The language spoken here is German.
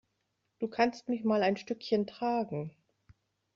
Du kannst mich mal ein Stückchen tragen.